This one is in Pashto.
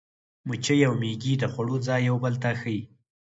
مچۍ او مېږي د خوړو ځای یو بل ته ښيي.